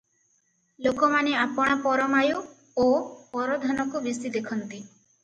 ଲୋକମାନେ ଆପଣା ପରମାୟୁ ଓ ପରଧନକୁ ବେଶି ଦେଖନ୍ତି ।